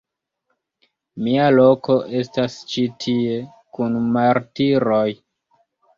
Mia loko estas ĉi tie, kun martiroj!